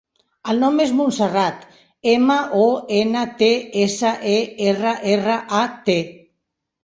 El nom és Montserrat: ema, o, ena, te, essa, e, erra, erra, a, te.